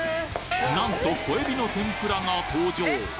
なんと小エビの天ぷらが登場